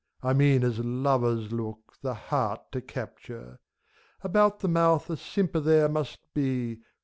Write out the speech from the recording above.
I mean, as lovers look, the heart to capture ; About the mouth a simper there must be.